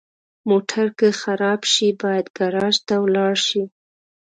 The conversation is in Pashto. موټر که خراب شي، باید ګراج ته ولاړ شي.